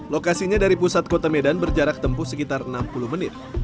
lokasinya dari pusat kota medan berjarak tempuh sekitar enam puluh menit